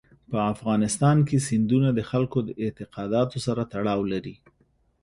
په افغانستان کې سیندونه د خلکو د اعتقاداتو سره تړاو لري.